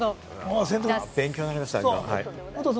勉強になりました、今の。